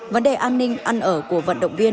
vấn đề an ninh ăn ở của vận động viên